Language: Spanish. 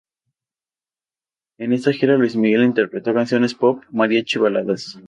En esta gira, Luis Miguel interpretó canciones pop, mariachi y baladas.